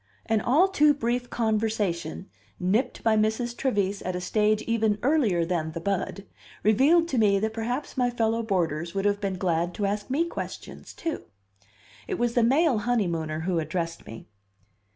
An all too brief conversation, nipped by Mrs. Trevise at a stage even earlier than the bud, revealed to me that perhaps my fellow boarders would have been glad to ask me questions, too. It was the male honeymooner who addressed me.